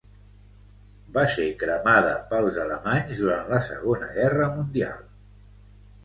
Va ser cremada pels alemanys durant la Segona Guerra Mundial.